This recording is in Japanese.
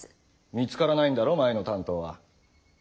見つからないんだろ前の担当は。